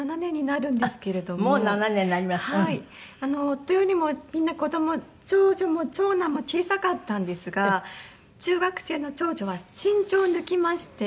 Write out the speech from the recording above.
夫よりもみんな子ども長女も長男も小さかったんですが中学生の長女は身長抜きまして。